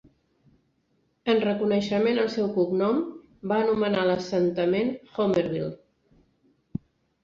En reconeixement al seu cognom, va anomenar l'assentament "Homerville".